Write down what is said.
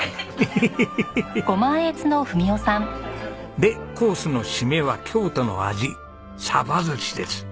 ヘヘヘヘヘ！でコースの締めは京都の味鯖寿しです。